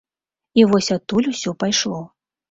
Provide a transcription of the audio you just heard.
І вось адтуль усё пайшло.